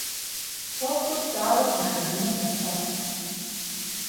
Ӏуэхур щауэр ишыжыным нэсат.